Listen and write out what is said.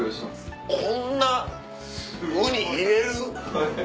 こんなウニ入れる？